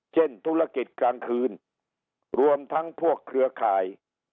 ธุรกิจกลางคืนรวมทั้งพวกเครือข่าย